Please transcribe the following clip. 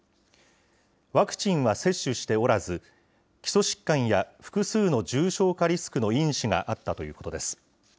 ワクチンは接種しておらず、きそしっかんや複数の重症化リスクの因子があったということです。